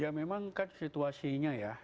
ya memang kan situasinya ya